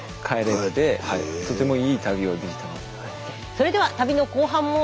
それでは旅の後半も。